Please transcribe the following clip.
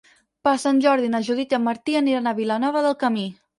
Per Sant Jordi na Judit i en Martí aniran a Vilanova del Camí.